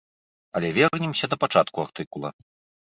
Але вернемся да пачатку артыкула.